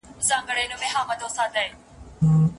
څېړنیز کارونه باید یوازي د شاګردانو لخوا په خپله پرمخ یوړل سي.